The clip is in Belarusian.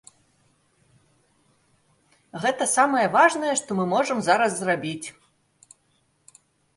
Гэта самае важнае, што мы можам зараз зрабіць.